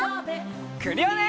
クリオネ！